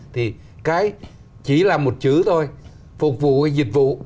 thì cái chỉ là một chữ thôi phục vụ dịch vụ